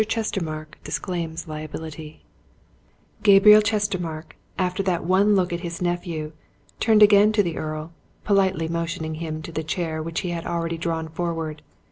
CHESTERMARKE DISCLAIMS LIABILITY Gabriel Chestermarke, after that one look at his nephew, turned again to the Earl, politely motioning him to the chair which he had already drawn forward.